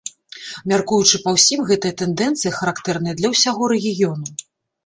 Мяркуючы па ўсім, гэтая тэндэнцыя характэрная для ўсяго рэгіёну.